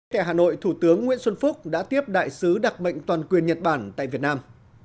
tại hà nội thủ tướng nguyễn xuân phúc đã tiếp đại sứ đặc mệnh toàn quyền nhật bản tại việt nam